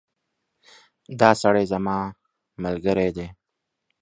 دا سړی زما ملګری دی